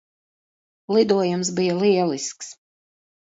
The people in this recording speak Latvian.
Lidojums bija lielisks.